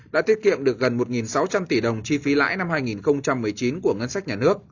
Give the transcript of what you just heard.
đã tiết kiệm được gần một sáu trăm linh tỷ đồng chi phí lãi năm hai nghìn một mươi chín của ngân sách nhà nước